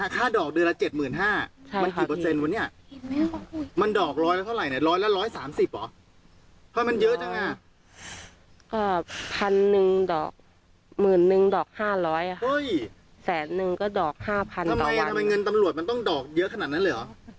ก็ดอกห้าพันทำไมทำไมเงินตำลวดมันต้องดอกเยอะขนาดนั้นเลยเหรอ